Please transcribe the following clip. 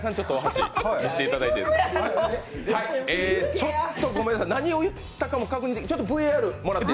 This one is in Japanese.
ちょっとごめんなさい、何を言ったかも確認できない。